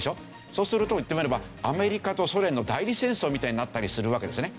そうすると言ってみればアメリカとソ連の代理戦争みたいになったりするわけですね。